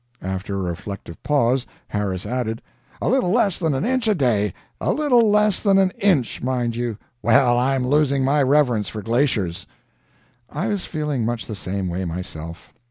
After a reflective pause, Harris added, "A little less than an inch a day; a little less than an INCH, mind you. Well, I'm losing my reverence for glaciers." I was feeling much the same way myself.